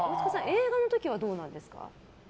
映画の時はどうなんですか？